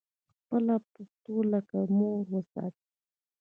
خپله پښتو لکه مور وساتئ